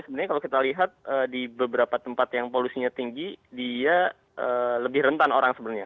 sebenarnya kalau kita lihat di beberapa tempat yang polusinya tinggi dia lebih rentan orang sebenarnya